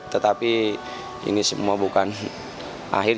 tetapi ini semua bukan akhir